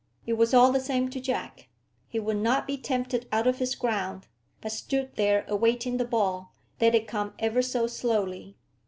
It was all the same to Jack. He would not be tempted out of his ground, but stood there awaiting the ball, let it come ever so slowly.